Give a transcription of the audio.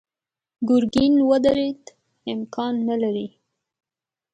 ګرګين ودرېد: امکان نه لري.